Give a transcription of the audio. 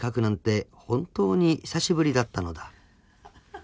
本当に久しぶりだったのだ］